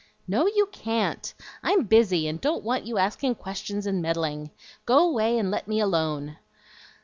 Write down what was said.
"No, you can't! I'm busy, and don't want you asking questions and meddling. Go away and let me alone."